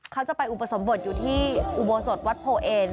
เขาจะไปอุปสรรค์บดอยู่ที่อุบสรรค์วัดโพเอ็น